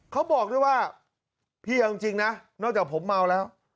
เขาบอกด้วยว่าพี่เอาจริงนะนอกจากผมเมาแล้ว